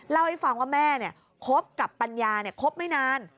เล่าให้ฟังว่าแม่คบกับปัญญาคบไม่นาน